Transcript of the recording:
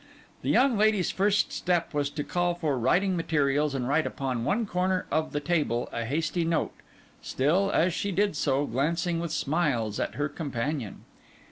The young lady's first step was to call for writing materials and write, upon one corner of the table, a hasty note; still, as she did so, glancing with smiles at her companion.